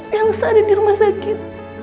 yang ada di rumah sakit